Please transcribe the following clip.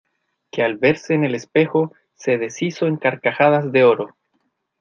que al verse en el espejo se deshizo en carcajadas de oro.